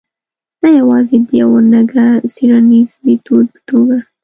نه یوازې د یوه نګه څېړنیز میتود په توګه.